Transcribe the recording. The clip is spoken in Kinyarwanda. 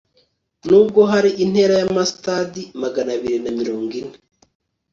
n'ubwo hari intera y'amasitadi magana abiri na mirongo ine